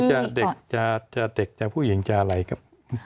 เด็กจะเด็กจะผู้หญิงจะอะไรครับ